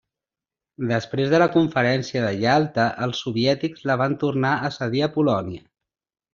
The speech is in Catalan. Després de la Conferència de Ialta els soviètics la van tornar a cedir a Polònia.